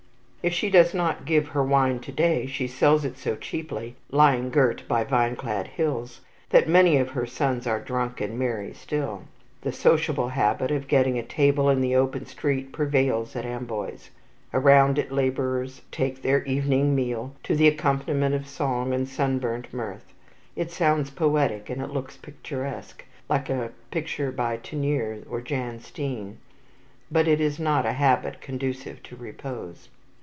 If she does not give her wine to day, she sells it so cheaply lying girt by vine clad hills that many of her sons are drunk and merry still. The sociable habit of setting a table in the open street prevails at Amboise. Around it labourers take their evening meal, to the accompaniment of song and sunburnt mirth. It sounds poetic and it looks picturesque, like a picture by Teniers or Jan Steen, but it is not a habit conducive to repose.